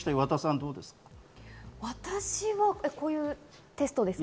どこういうテストですか？